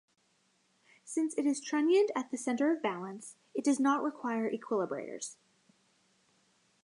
Since it is trunnioned at the center of balance, it does not require equilibrators.